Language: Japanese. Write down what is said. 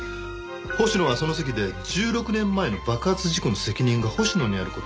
星野はその席で１６年前の爆発事故の責任が星野にある事を若月に指摘された。